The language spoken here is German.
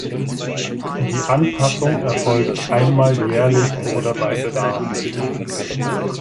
Die Anpassung erfolgt einmal jährlich oder bei Bedarf.